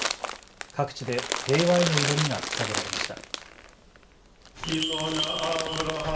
各地で平和への祈りがささげられました。